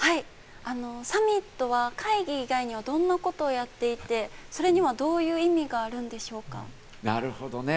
サミットは会議以外には、どんなことをやっていて、それにはどういう意味があるんでしょうなるほどね。